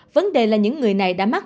vấn đề là những người này đã mắc